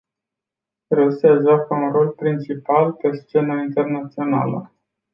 Rusia joacă un rol principal pe scena internațională.